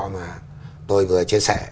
mà tôi vừa chia sẻ